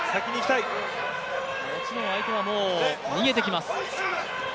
もちろん相手はもう逃げてきます。